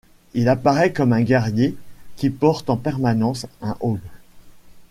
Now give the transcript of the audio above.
Il apparaît comme un guerrier qui porte en permanence un heaume.